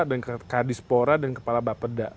dan ke kadispora dan kepala bapeda